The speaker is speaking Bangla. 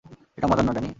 এটা মজার না, ড্যানি।